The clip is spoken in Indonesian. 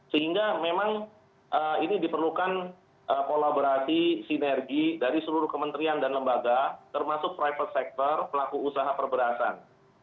sehingga memang ini diperlukan kolaborasi sinergi dari seluruh kementerian dan lembaga termasuk private sector pelaku usaha perberasan